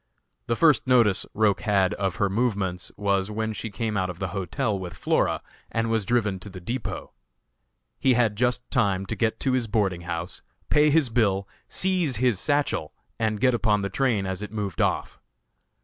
The first notice Roch had of her movements, was when she came out of the hotel with Flora, and was driven to the depot. He had just time to get to his boarding house, pay his bill, seize his satchel, and get upon the train as it moved off.